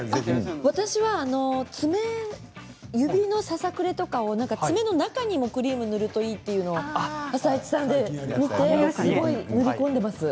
私は指のささくれとかを爪の中にもクリームを塗るといいというのを「あさイチ」さんで見て塗り込んでいます。